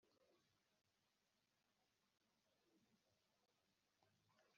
“data, ikiganza cyawe kiyobora ku rutugu kizagumana nanjye ubuziraherezo.”